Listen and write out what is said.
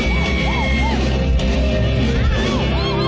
ทุกที่ว่าใช่ไหม